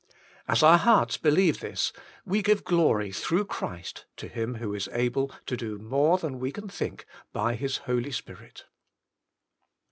As our hearts believe this we give glory through Christ to Him who is able to do more than we can think by His Holy Spirit.